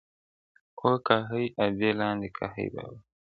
o گاهي ادې لاندي، گاهي بابا!